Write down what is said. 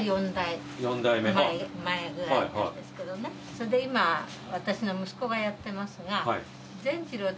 それで今私の息子がやってますが。